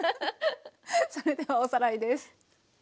それではおさらいです。